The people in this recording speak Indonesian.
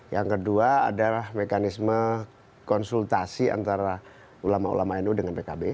yang kedua adalah mekanisme konsultasi antara ulama ulama nu dengan pkb